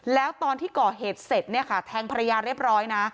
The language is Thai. แล้วตอนที่ก่อเหตุเสร็จแทงภรรยาเรียบร้อย